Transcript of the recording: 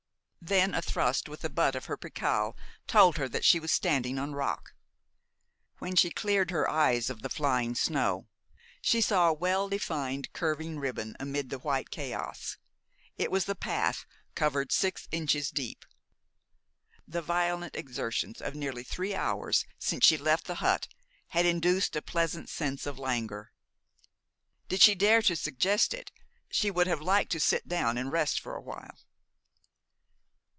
Then a thrust with the butt of her pickel told her that she was standing on rock. When she cleared her eyes of the flying snow, she saw a well defined curving ribbon amid the white chaos. It was the path, covered six inches deep. The violent exertions of nearly three hours since she left the hut had induced a pleasant sense of languor. Did she dare to suggest it, she would have liked to sit down and rest for awhile.